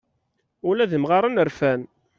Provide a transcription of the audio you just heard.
Ula d imɣaren rfan.